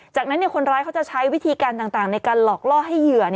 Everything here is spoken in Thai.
จากนั้นคนร้ายเขาจะใช้วิธีการต่างในการหลอกล่อให้เหยื่อ